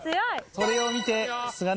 それを見て菅沼